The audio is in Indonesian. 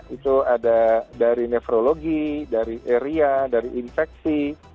itu ada dari nefrologi dari eria dari infeksi